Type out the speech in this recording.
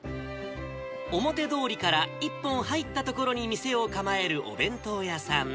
表通りから一本入った所に店を構えるお弁当屋さん。